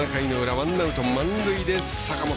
ワンアウト、満塁で坂本。